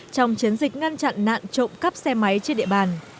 trong chiến dịch ngăn chặn nạn trộm cắp xe máy trên địa bàn